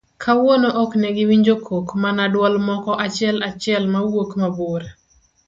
kawuono ok negiwinjo kok mana duol moko achiel achiel mawuok mabor